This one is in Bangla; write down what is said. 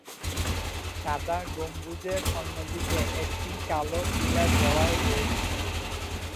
সাদা গম্বুজের অন্যদিকে একটি কালো শিলার দেওয়াল রয়েছে।